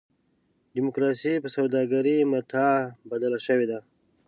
ډیموکراسي په سوداګرۍ متاع بدله شوې ده.